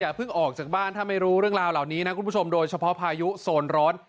เพิ่งออกจากบ้านถ้าไม่รู้เรื่องราวเหล่านี้นะคุณผู้ชมโดยเฉพาะพายุโซนร้อน